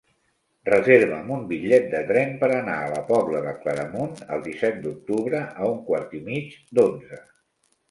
Reserva'm un bitllet de tren per anar a la Pobla de Claramunt el disset d'octubre a un quart i mig d'onze.